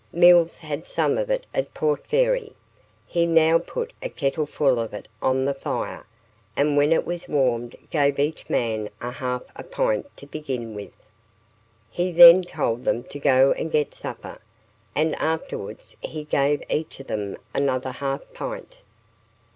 Mills had some of it at Port Fairy. He now put a kettle full of it on the fire, and when it was warmed gave each man a half a pint to begin with. He then told them to go and get supper, and afterwards he gave each of them another half pint.